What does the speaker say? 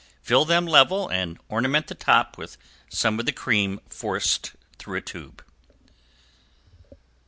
Fill them level and ornament the top with some of the cream forced through tube.